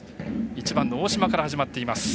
１番、大島から始まっています。